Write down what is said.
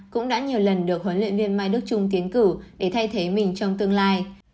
cũng đã nhiều lần được huấn luyện viên mai đức trung tiến cử để thay thế mình trong tương lai